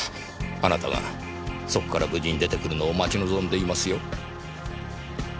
あなたがそこから無事に出てくるのを待ち望んでいますよ。